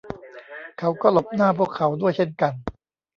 เขาก็หลบหน้าพวกเขาด้วยเช่นกัน